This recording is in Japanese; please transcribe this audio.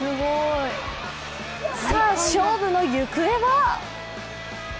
さあ勝負の行方は？